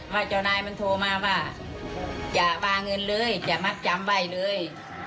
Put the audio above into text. ถ้าเจ้านายมันโทรมาจะบางเงินเลยจะมาจำไปเลย